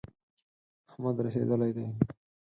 احمد رسېدلی دی.